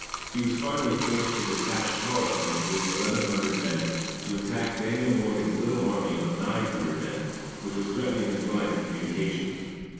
He was finally forced to detach Tarleton, with eleven hundred men, to attack Daniel Morgan's little army of nine hundred men, which was threatening his line of communications.